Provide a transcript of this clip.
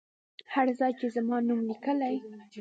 هر ځای چې زما نوم لیکلی.